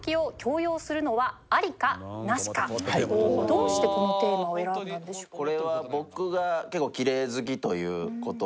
どうしてこのテーマを選んだのでしょうか？